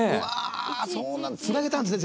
つなげたんですね。